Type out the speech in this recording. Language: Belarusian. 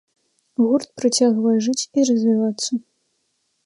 Гурт працягвае жыць і развівацца.